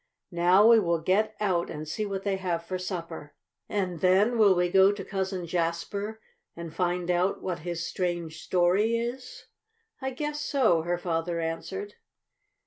"Now we will get out and see what they have for supper." "And then will we go to Cousin Jasper and find out what his strange story is?" "I guess so," her father answered.